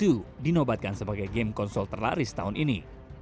call of duty world war ii dinobatkan sebagai game konsol terlaris tahun ini